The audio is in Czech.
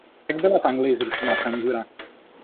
Tak byla v Anglii zrušena cenzura.